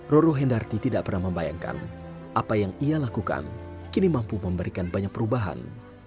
roro hendarti tidak pernah membayangkan apa yang ia lakukan kini mampu memberikan banyak perubahan